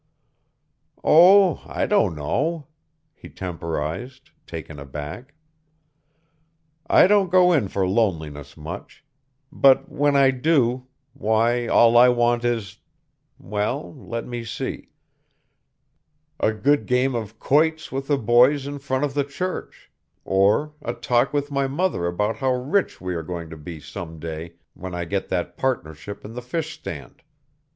"Oh, I don't know," he temporized, taken aback. "I don't go in for loneliness much; but when I do, why all I want is well, let me see, a good game of quoits with the boys in front of the church, or a talk with my mother about how rich we are going to be some day when I get that partnership in the fishstand.